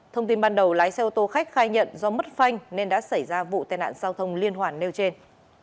thông tin ban đầu lái xe ô tô khách khai nhận do mất phanh nên đã xảy ra vụ tai nạn giao thông liên hoàn nêu trên